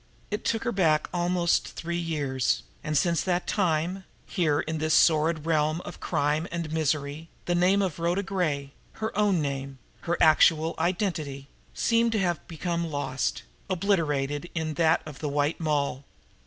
It took her back almost three years, and since that time, here in this sordid realm of crime and misery, the name of Rhoda Gray, her own name, her actual identity, seemed to have become lost, obliterated in that of the White Moll.